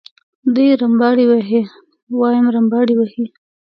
دی رمباړې وهي وایم رمباړې وهي.